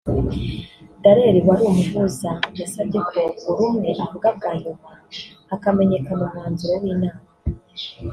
Dallaire wari umuhuza yabasabye ko buri umwe avuga bwa nyuma hakamenyekana umwanzuro w’inama